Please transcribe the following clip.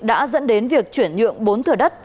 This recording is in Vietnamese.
đã dẫn đến việc chuyển nhượng bốn thửa đất